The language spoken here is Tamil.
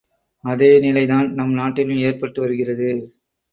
அதே நிலைதான் நம் நாட்டிலும் ஏற்பட்டு வருகிறது.